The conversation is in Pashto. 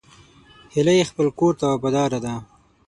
هیلۍ خپل کور ته وفاداره ده